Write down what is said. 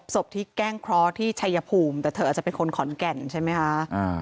ศพที่แกล้งเคราะห์ที่ชัยภูมิแต่เธออาจจะเป็นคนขอนแก่นใช่ไหมคะ